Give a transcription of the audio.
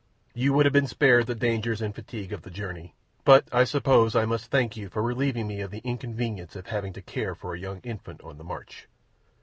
"You would have been spared the dangers and fatigue of the journey. But I suppose I must thank you for relieving me of the inconvenience of having to care for a young infant on the march.